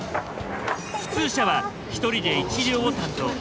普通車は１人で１両を担当。